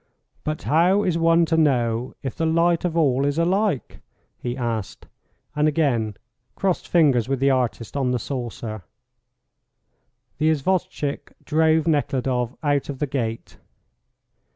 "But how is one to know if the light of all is alike?" he asked, and again crossed fingers with the artist on the saucer. The isvostchik drove Nekhludoff out of the gate.